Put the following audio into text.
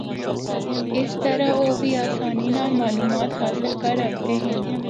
اسطرح او بھی آسانی نال معلومات حاصل کر ہکدے ہن۔